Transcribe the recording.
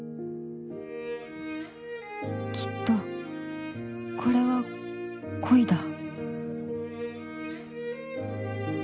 きっとこれは恋だ